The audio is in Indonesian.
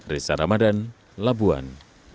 risa ramadan labuan